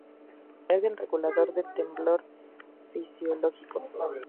Es el regulador del temblor fisiológico.